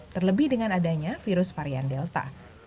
terlebih dengan adanya virus varian delta